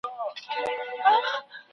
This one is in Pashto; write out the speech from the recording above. حقوقي څیړني په ټولنه کي شخړي کموي.